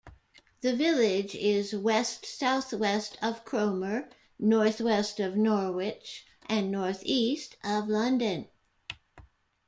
The village is west-south-west of Cromer, north-west of Norwich and north-east of London.